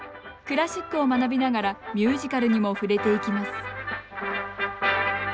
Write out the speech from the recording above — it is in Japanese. クラシックを学びながらミュージカルにも触れていきます